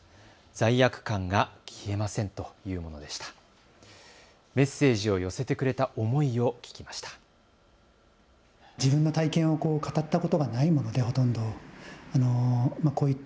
罪悪感が消えませんというものでした。